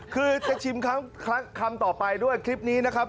คือจะชิมครั้งต่อไปด้วยคลิปนี้นะครับ